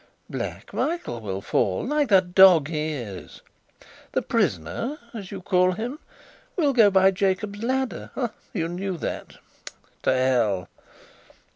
" Black Michael will fall, like the dog he is; the prisoner, as you call him, will go by 'Jacob's Ladder' ah, you know that! to hell!